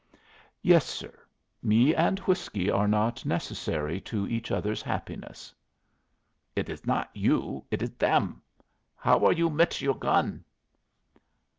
"Yes, sir. Me and whiskey are not necessary to each other's happiness." "It is not you, it is them. How are you mit your gun?"